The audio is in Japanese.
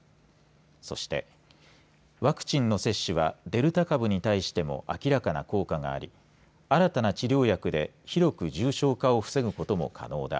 そしてワクチンの接種はデルタ株に対しても明らかな効果があり新たな治療薬で広く重症化を防ぐことも可能だ。